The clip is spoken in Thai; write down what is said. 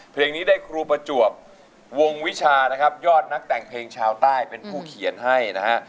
เพลงนี้ได้ครูประจวบวงวิชานะครับยอดนักแต่งเพลงชาวใต้เป็นผู้เขียนให้นะฮะ